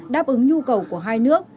đáp ứng nhu cầu của hai nước